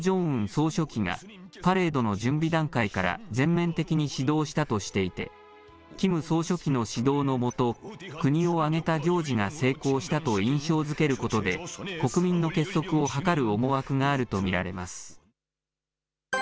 総書記がパレードの準備段階から全面的に指導したとしていて、キム総書記の指導の下、国を挙げた行事が成功したと印象づけることで、国民の結束を図る思惑があると見られます。